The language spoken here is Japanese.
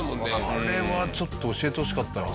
あれはちょっと教えてほしかったな。